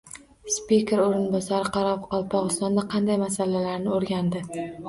Spiker o‘rinbosari Qoraqalpog‘istonda qanday masalalarni o‘rgandi?